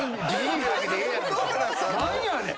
何やねん！